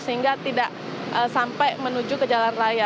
sehingga tidak sampai menuju ke jalan raya